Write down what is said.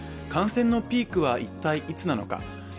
感染のピークは一体いつなのか。